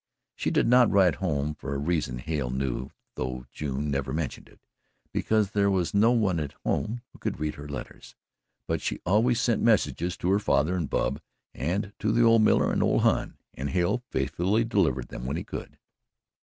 She did not write home for a reason Hale knew, though June never mentioned it because there was no one at home who could read her letters but she always sent messages to her father and Bub and to the old miller and old Hon, and Hale faithfully delivered them when he could.